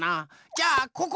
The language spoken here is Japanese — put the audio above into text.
じゃあここ！